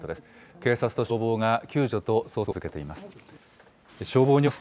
警察と消防が救助と捜索を続けています。